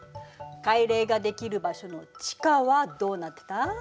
海嶺ができる場所の地下はどうなってた？